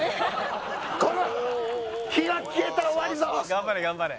「頑張れ頑張れ！」